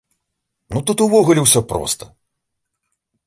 Ну тут увогуле ўсё проста.